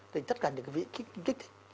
thì tất cả những cái vị kích thích